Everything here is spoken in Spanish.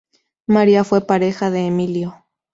María fue pareja de Emilio.